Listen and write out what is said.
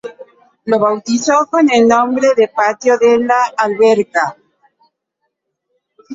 Lo bautizó con el nombre de patio de la Alberca.